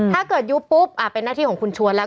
ยุบปุ๊บเป็นหน้าที่ของคุณชวนแล้ว